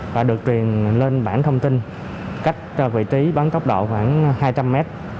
và được truyền lên bản thông tin cách vị trí bán tốc độ khoảng hai trăm linh m